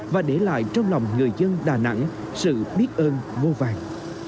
và để lại trong lòng người dân đà nẵng sự biết ơn vô vàng